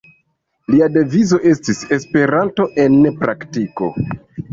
Lia devizo estis: «Esperanto en praktiko».